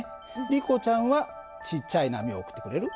リコちゃんはちっちゃい波を送ってくれる？